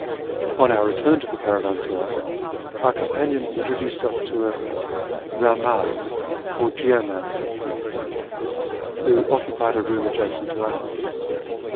On our return to the caravansaray, our companion introduced us to a rammdl, or geomancer, who occupied a room adjacent to ours.